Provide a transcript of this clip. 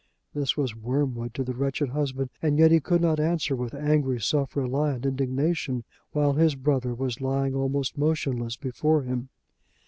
This was wormwood to the wretched husband, and yet he could not answer with angry, self reliant indignation, while his brother was lying almost motionless before him.